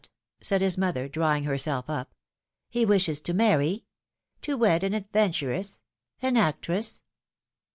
^^ said his mother, drawing herself up, ^^he wishes to marry? To wed an adventuress? An actress